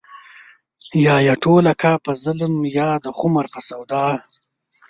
يا يې ټوله کا په ظلم يا د خُمرو په سودا